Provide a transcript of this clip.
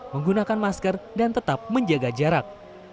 menggunakan masker dan tetap menjaga jarak